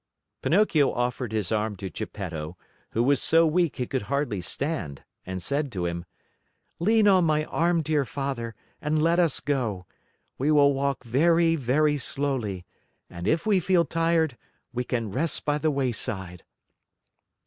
Pinocchio offered his arm to Geppetto, who was so weak he could hardly stand, and said to him: "Lean on my arm, dear Father, and let us go. We will walk very, very slowly, and if we feel tired we can rest by the wayside."